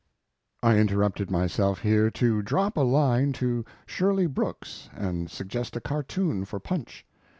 I interrupted myself here, to drop a line to Shirley Brooks and suggest a cartoon for Punch.